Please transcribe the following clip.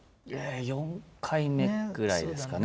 ４回目ぐらいですかね。